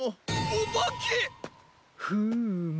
フーム。